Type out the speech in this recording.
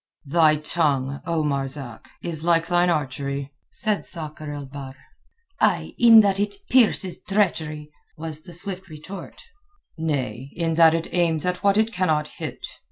"Thy tongue, O Marzak, is like thine archery," said Sakr el Bahr. "Ay—in that it pierces treachery," was the swift retort. "Nay—in that it aims at what it cannot hit.